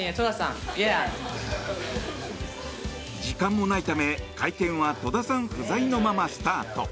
時間もないため会見は戸田さん不在のままスタート。